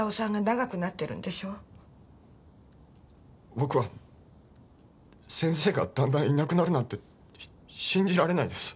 僕は先生がだんだんいなくなるなんて信じられないです。